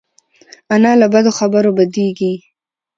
انا له بدو خبرو بدېږي